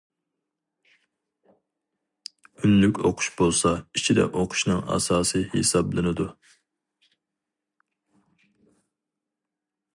ئۈنلۈك ئوقۇش بولسا ئىچىدە ئوقۇشنىڭ ئاساسىي ھېسابلىنىدۇ.